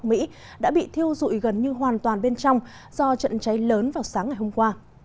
mỹ đã bị thiêu dụi gần như hoàn toàn bên trong do trận cháy lớn vào sáng ngày hôm qua